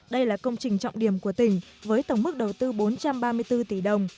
đây là công trình trọng điểm của tỉnh với tổng mức đầu tư bốn trăm ba mươi bốn tỷ đồng